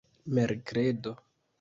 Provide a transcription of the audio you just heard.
merkredo